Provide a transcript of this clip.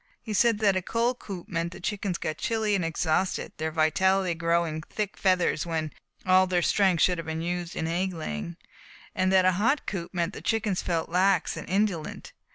He said a cold coop meant that the chickens got chilly and exhausted their vitality growing thick feathers when all their strength should have been used in egg laying, and that a hot coop meant that the chickens felt lax and indolent.